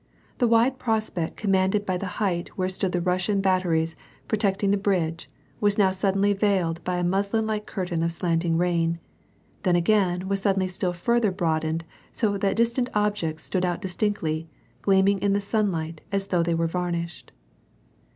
The wide prospect, commanded by the height where stood the Russian bat teries protecting the bridge, was now suddenly veiled by a muslin like curtain of slanting rain, then again was suddenly still further broadened so that distant objects stood out distinctly, gleaming in the sunlight as though they were varnished.